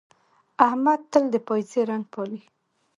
احمد تل د پايڅې رنګ پالي.